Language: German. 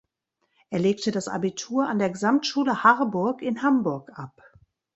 Er legte das Abitur an der Gesamtschule Harburg in Hamburg ab.